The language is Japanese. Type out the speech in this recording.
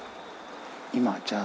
今じゃあ。